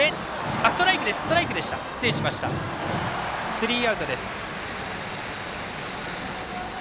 スリーアウトです。